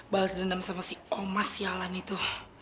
balas dendam sama si omas sialan itu